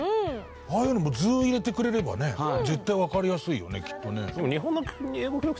ああいうのも図入れてくれればね絶対わかりやすいよねきっとね。